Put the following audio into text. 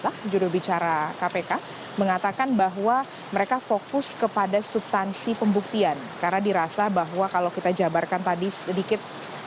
saudara pikir dari jurubicara kpk mengatakan bahwa mereka fokus ke substances pembuktian karena dirasa bahwa kalau kita jabarkan sedikit lagi